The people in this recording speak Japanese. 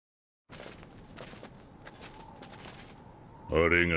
あれが。